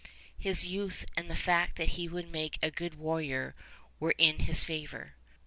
His youth and the fact that he would make a good warrior were in his favor.